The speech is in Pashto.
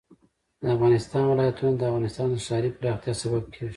د افغانستان ولايتونه د افغانستان د ښاري پراختیا سبب کېږي.